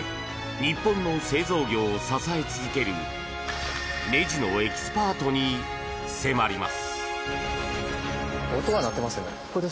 日本の製造業を支え続けるねじのエキスパートに迫ります。